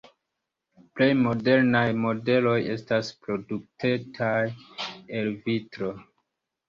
Plej modernaj modeloj estas produktitaj el vitro.